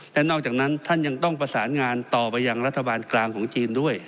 และนอกจากนั้นท่านยังต้องประสานงานต่อไปยังรัฐบาลกลางของจีนด้วย